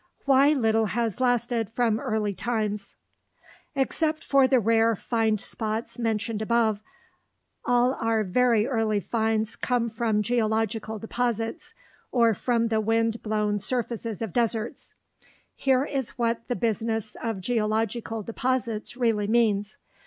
WHY LITTLE HAS LASTED FROM EARLY TIMES Except for the rare find spots mentioned above, all our very early finds come from geological deposits, or from the wind blown surfaces of deserts. Here is what the business of geological deposits really means.